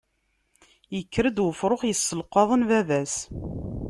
Ikker-d ufrux yesselqaḍen baba-s.